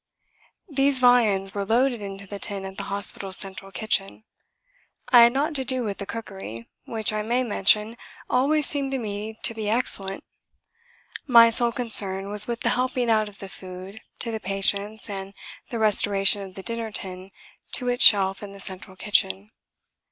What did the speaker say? These viands were loaded into the tin at the hospital's central kitchen. I had naught to do with the cookery which I may mention always seemed to me to be excellent. My sole concern was with the helping out of the food to the patients and the restoration of the dinner tin to its shelf in the central kitchen.